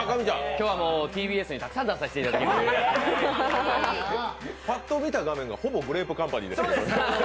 今日はＴＢＳにたくさん出させていただいててパッと見た画面がほぼグレープカンパニーですけど。